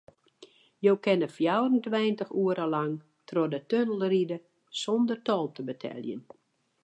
Jo kinne fjouwerentweintich oere lang troch de tunnel ride sûnder tol te beteljen.